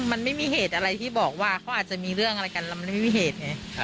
มันไม่มีเหตุอะไรที่บอกว่าเขาอาจจะมีเรื่องอะไรกันเรามันไม่มีเหตุไง